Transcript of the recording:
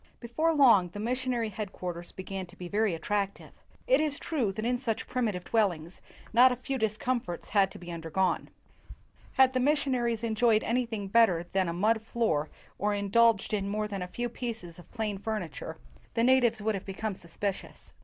Before long, the missionary headquarters began to be very attractive. It is true that in such primitive dwellings not a few discomforts had to be undergone. Had the missionaries enjoyed anything bet ter than a mud floor or indulged in more than a few pieces of plain furniture, the na tives would have become suspicious.